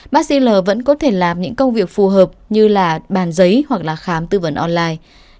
bác sĩ l vẫn có thể làm những công việc phù hợp như là bàn giấy hoặc là khám tư vấn online